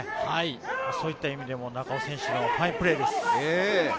そういった意味でも中尾選手のファインプレーです。